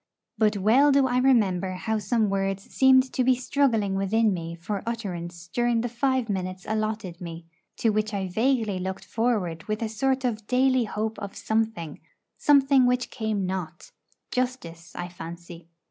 But well do I remember how some words seemed to be struggling within me for utterance during the five minutes allotted me, to which I vaguely looked forward with a sort of daily hope of something; something which came not justice, I fancy.